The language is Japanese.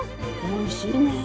おいしいねえ。